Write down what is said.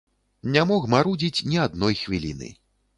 Не мог марудзіць ні адной хвіліны.